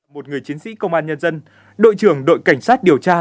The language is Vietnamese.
một người chiến sĩ công an nhân dân đội trưởng đội cảnh sát điều tra